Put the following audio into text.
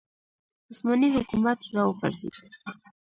عثماني حکومت راوپرځېد